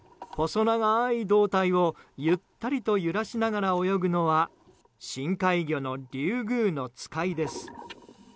細長い胴体をゆったりと揺らしながら泳ぐのは深海魚のリュウグウノツカイです。